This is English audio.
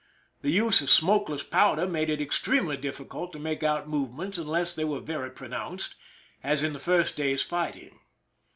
The use of smokeless powder made it extremely difficult to make out movements unless they were very pronounced, as in the first day's fight ing.